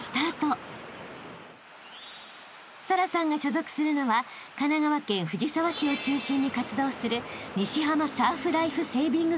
［沙羅さんが所属するのは神奈川県藤沢市を中心に活動する］